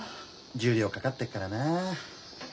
十両かかってっからなあ。